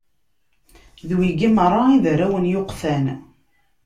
D wigi meṛṛa i d arraw n Yuqtan.